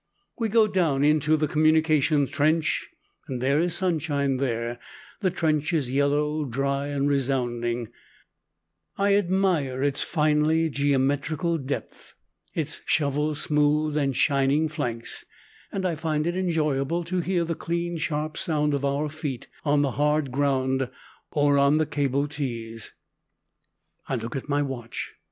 We go down into the communication trench and there is sunshine there. The trench is yellow, dry, and resounding. I admire its finely geometrical depth, its shovel smoothed and shining flanks; and I find it enjoyable to hear the clean sharp sound of our feet on the hard ground or on the caillebotis little gratings of wood, placed end to end and forming a plankway. I look at my watch.